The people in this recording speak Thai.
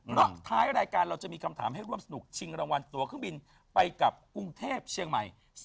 เพราะท้ายรายการเราจะมีคำถามให้ร่วมสนุกชิงรางวัลตัวเครื่องบินไปกับกรุงเทพเชียงใหม่